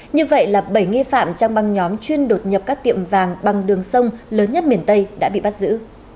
như vậy là bảy nghi phạm trong băng nhóm chuyên đột nhập các tiệm vàng bằng đường sông lớn nhất miền tây đã bị bắt giữ